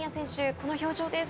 この表情です。